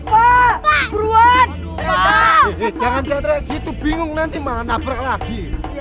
pak beruat jangan jatuh gitu bingung nanti mana berat lagi